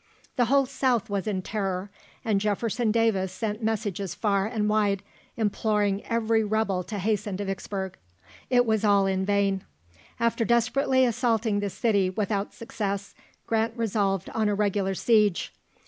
The whole South was in terror, and Jefferson Davis sent messages far and wide, imploring every rebel to hasten to Vicksburg. It was all in vain. After desperately assaulting the city without success, Grant resolved on a regular siege.